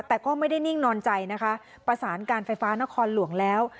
แต่ก็ไม่ได้นิ่งนอนใจนะคะประสานการไฟฟ้านครหลวงแล้ว